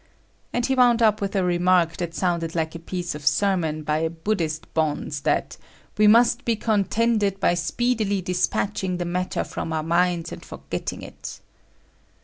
And he wound up with a remark that sounded like a piece of sermon by a Buddhist bonze that "We must be contented by speedily despatching the matter from our minds and forgetting it."